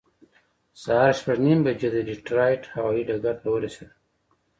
سهار شپږ نیمې بجې د ډیټرایټ هوایي ډګر ته ورسېدم.